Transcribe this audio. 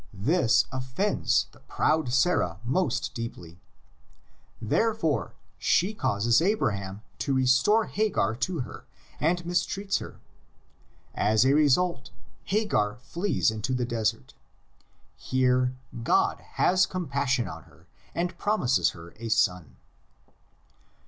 This offends the proud Sarah most deeply. Therefore she causes Abraham to restore Hagar to her, and mistreats her. As a result Hagar flees into the desert. Here God has compassion on her and promises her a son.